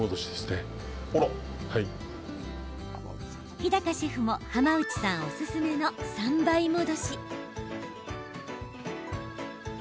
日高シェフも浜内さんおすすめの３倍戻し。